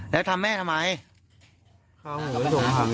แล้วทำแม่ทำไม